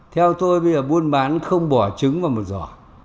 theo tôi bây giờ buôn bán không bỏ trứng vào một giỏ